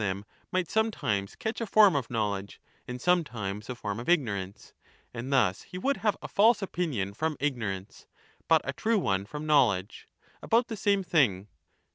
them might sometimes catch a form of knowledge, and some of know times a form of ignorance ; and thus he would have a false l^^f® ^y^ opinion from ignorance, but a true one from knowledge, IH^the about the same thing.